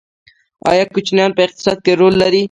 آیا کوچیان په اقتصاد کې رول لري؟